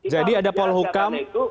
jadi ada pol hukum